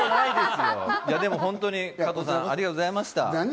本当に加藤さん、ありがとうございました。